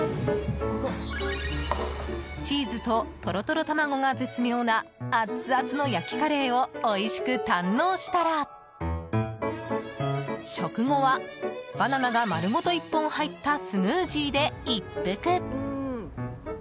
チーズとトロトロ卵が絶妙なアッツアツの焼きカレーをおいしく堪能したら食後はバナナが丸ごと１本入ったスムージーで一服。